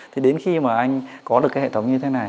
thì đến khi mà anh có được cái hệ thống này